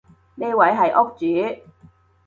呢位係屋主